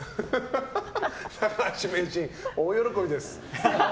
高橋名人、大喜びです。